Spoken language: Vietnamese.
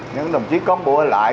những đồng chí cón bộ ở lại